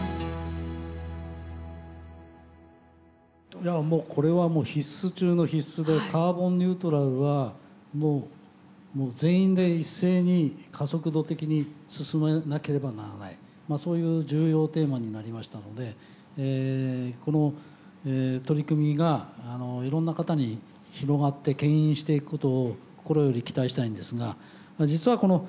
いやこれはもう必須中の必須でカーボンニュートラルはもう全員で一斉に加速度的に進めなければならないそういう重要テーマになりましたのでこの取り組みがいろんな方に広がってけん引していくことを心より期待したいんですが実はこのケースはですね